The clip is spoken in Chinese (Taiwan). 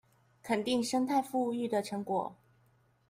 肯定生態復育的成果